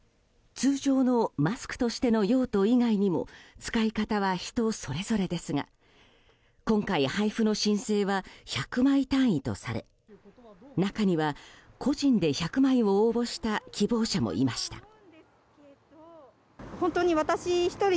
通常のマスクとしての用途以外にも使い方は人それぞれですが今回、配布の申請は１００枚単位とされ中には個人で１００枚を応募した希望者もいました。